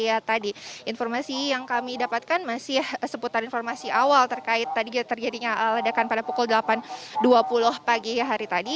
ya tadi informasi yang kami dapatkan masih seputar informasi awal terkait tadi terjadinya ledakan pada pukul delapan dua puluh pagi hari tadi